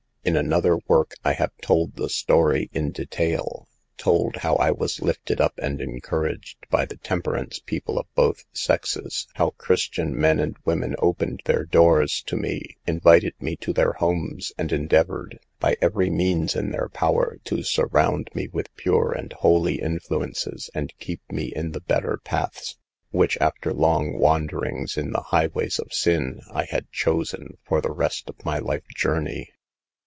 In another work* I have c told the story in detail ; told how I was lifted up and encouraged by the temperance people of both sexes, how Christian men and women opened theiv doors to me, invited me to their homes, and endeav ored, by every means in their power, to sur round me with pure and holy influences and keep me in the better paths, which, after long wanderings in the highways of sin, I had chosen for the rest of my life journey.